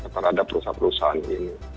terhadap perusahaan perusahaan ini